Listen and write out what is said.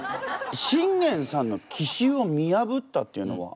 信玄さんの奇襲を見やぶったっていうのは？